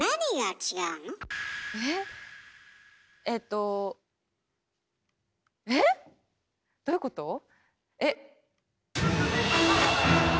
えとえっどういうこと？